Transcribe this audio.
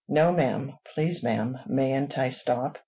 "No, ma'am. Please, ma'am, mayn't I stop?"